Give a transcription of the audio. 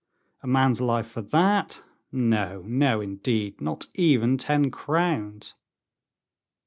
A man's life for that? No, no, indeed; not even ten crowns."